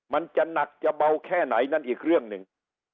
มันจะหนักจะเบาแค่ไหนนั่นอีกเรื่องหนึ่ง